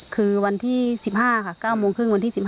คือวันที่๑๕ค่ะ๙๓๐วันที่๑๕